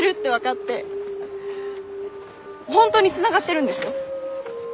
本当につながってるんですよ。